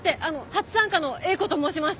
初参加のＥＩＫＯと申します！